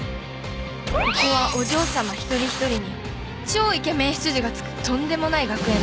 ここはお嬢さま一人一人に超イケメン執事がつくとんでもない学園だ。